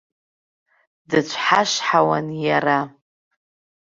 Дыцәҳашҳауан иара.